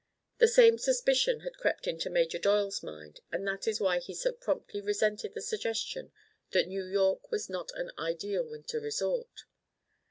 The same suspicion had crept into Major Doyle's mind, and that is why he so promptly resented the suggestion that New York was not an ideal winter resort.